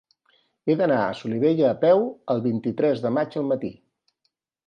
He d'anar a Solivella a peu el vint-i-tres de maig al matí.